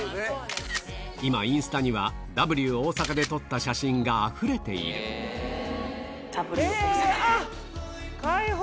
今インスタにはＷ大阪で撮った写真があふれているへぇ！